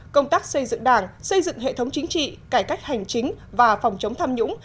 công tác xây dựng đảng xây dựng hệ thống chính trị cải cách hành chính và phòng chống tham nhũng